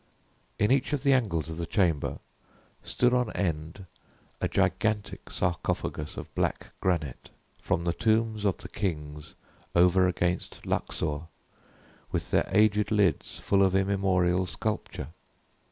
In each of the angles of the chamber stood on end a gigantic sarcophagus of black granite, from the tombs of the kings over against Luxor, with their aged lids full of immemorial sculpture.